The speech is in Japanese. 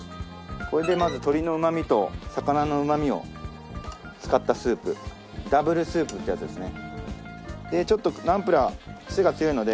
これでまず鶏のうまみと魚のうまみを使ったスープダブルスープってやつですね。